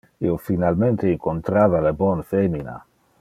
Io finalmente incontrava le bon femina.